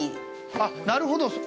あっ、なるほど。